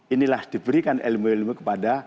inilah diberikan ilmu ilmu kepada